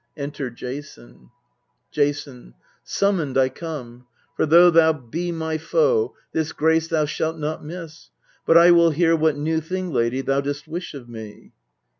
Enter JASON Jason. Summoned I come : for, though thou be my foe, This grace thou shalt not miss ; but I will hear What new thing, lady, thou dost wish of me.